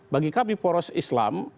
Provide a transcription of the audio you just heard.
bagi kami poros islam